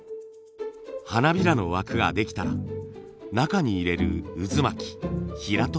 花びらの枠ができたら中に入れる渦巻きヒラト作り。